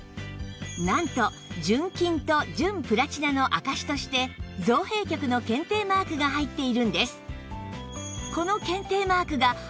なんと純金と純プラチナの証として造幣局の検定マークが入っているんです